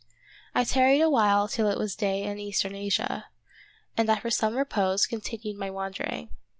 I tarried awhile till it was day in eastern Asia, and after some repose continued my wandering.